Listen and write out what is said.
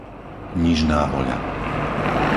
Nižná Voľa